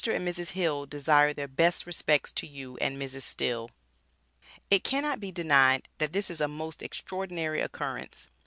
and Mrs. Hill desire their best respects to you and Mrs. Still. It cannot be denied that this is a most extraordinary occurrence.